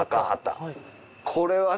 これはね